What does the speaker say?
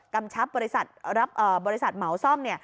กำชับบริษัทเหมาซ่อม